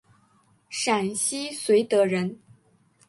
陕西绥德人。